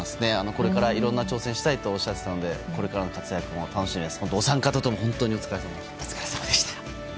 これからいろんな挑戦をしたいとおっしゃっていたのでこれからの活躍も楽しみです。